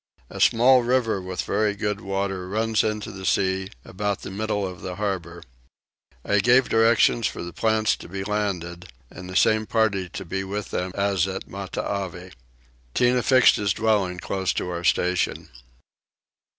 A small river with very good water runs into the sea about the middle of the harbour. I gave directions for the plants to be landed and the same party to be with them as at Matavai. Tinah fixed his dwelling close to our station.